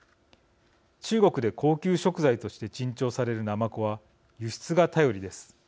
中国で高級食材として珍重されるナマコは輸出が頼りです。